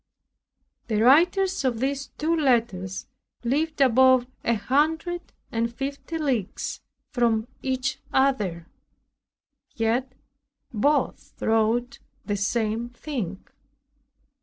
The writers of these two letters lived above a hundred and fifty leagues from each other; yet both wrote the same thing.